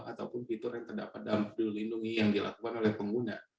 ataupun fitur yang terdapat dalam peduli lindungi yang dilakukan oleh pengguna